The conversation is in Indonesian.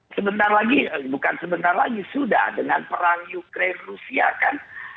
sebentar lagi bukan sebentar lagi sudah dengan perang ukraine rusia kan